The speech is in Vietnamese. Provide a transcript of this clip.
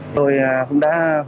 tôi cũng đã huyền